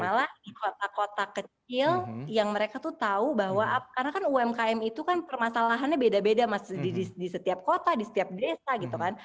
malah di kota kota kecil yang mereka tuh tahu bahwa karena kan umkm itu kan permasalahannya beda beda mas di setiap kota di setiap desa gitu kan